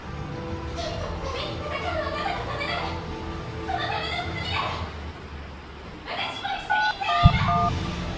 人々のために戦うあなたのためならそのための罪なら私も一緒に背負います！